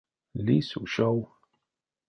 Лиссь ушов.